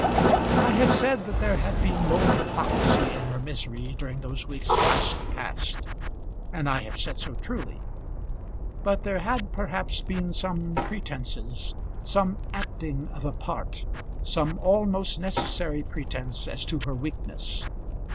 I have said that there had been no hypocrisy in her misery during those weeks last past; and I have said so truly. But there had perhaps been some pretences, some acting of a part, some almost necessary pretence as to her weakness.